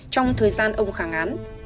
trong thời gian ông khẳng án